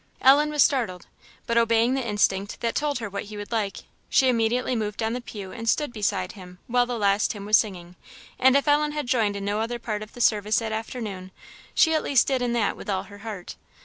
Ellen was startled, but obeying the instinct that told her what he would like, she immediately moved down the pew and stood beside him while the last hymn was singing; and if Ellen had joined in no other part of the service that afternoon, she at least did in that with all her heart.